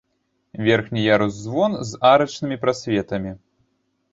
Верхні ярус-звон з арачнымі прасветамі.